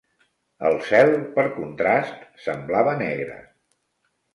El cel, per contrast, semblava negre.